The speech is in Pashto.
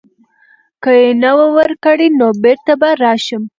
که یې نه وه ورکړې نو بیرته به راشم.